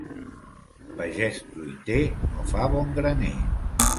Pagès truiter no fa bon graner.